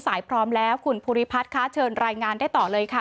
พร้อมแล้วคุณภูริพัฒน์คะเชิญรายงานได้ต่อเลยค่ะ